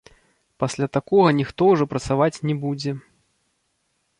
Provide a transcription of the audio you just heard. Пасля такога ніхто ўжо працаваць не будзе.